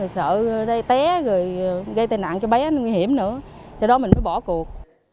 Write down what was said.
sợ té rồi gây tên nạn cho bé nguy hiểm nữa sau đó mình mới bỏ cuộc